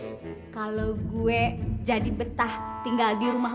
terus kalau gue jadi betah tinggal di rumah